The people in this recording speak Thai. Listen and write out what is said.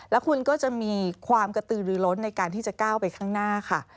แล้วคุณก็จะมีความกระตือหรือล้นในการที่จะก้าวไปข้างหน้าค่ะ